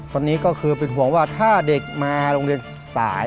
ตอนนี้ก็คือเป็นห่วงว่าถ้าเด็กมาโรงเรียนสาย